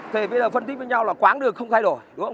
thế bây giờ phân tích với nhau là quán đường không thay đổi đúng không